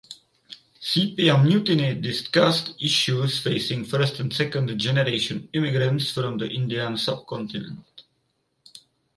Sepia Mutiny discussed issues facing first and second generation immigrants from the Indian subcontinent.